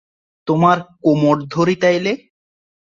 তোমার কোমড় ধরি তাহলে?